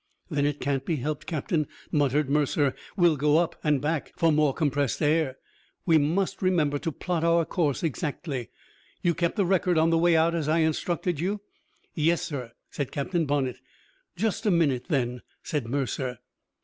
"Then it can't be helped, Captain," muttered Mercer. "We'll go up. And back. For more compressed air. We must remember to plot our course exactly. You kept the record on the way out as I instructed you?" "Yes, sir," said Captain Bonnett. "Just a minute, then," said Mercer.